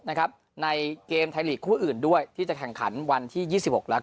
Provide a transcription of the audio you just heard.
ในเกมไทยลีกคู่อื่นด้วยที่จะแข่งขันวันที่๒๖แล้วก็